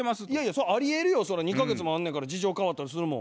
それありえるよ。２か月もあんのやから事情変わったりするもん。